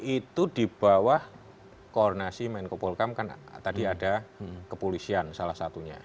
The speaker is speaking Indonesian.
itu di bawah koordinasi menko polkam kan tadi ada kepolisian salah satunya